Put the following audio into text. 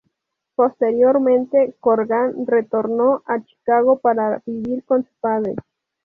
Posteriormente Corgan retornó a Chicago para vivir con su padre.